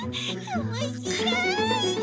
おもしろい！